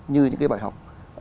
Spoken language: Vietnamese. như những bài học